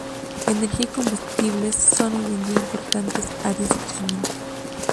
Energía y combustibles son hoy en día importantes áreas de crecimiento.